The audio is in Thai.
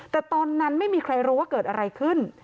แต่ตอนนั้นไม่มีใครรู้ว่าเกิดอะไรขึ้น